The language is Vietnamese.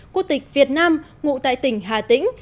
quốc tịch việt nam ngụ tại tỉnh hà tĩnh